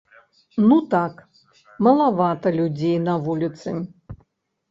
Ну так, малавата людзей на вуліцы.